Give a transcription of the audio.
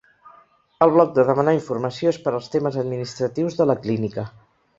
El bloc de demanar informació és per als temes administratius de la clínica.